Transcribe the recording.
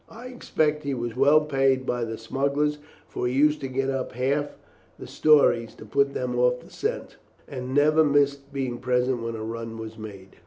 I expect he was well paid by the smugglers, for he used to get up half the stories to put them off the scent, and never missed being present when a run was made."